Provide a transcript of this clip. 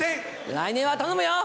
来年は頼むよ。